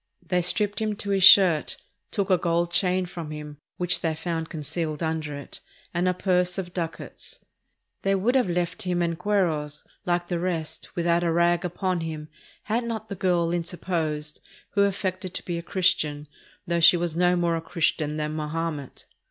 They stripped him to his shirt, took a gold chain from him, which they found concealed under it, and a purse of ducats. They would have left him en cueros, like the rest, without a rag upon him, had not the girl inter posed, who affected to be a Christian, "though she was no more a Christian than Mahomet."